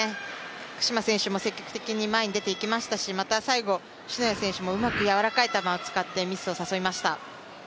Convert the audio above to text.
福島選手も積極的に前に出ていきましたし、また最後、篠谷選手もうまく柔らかい球を使ってミスを誘いました。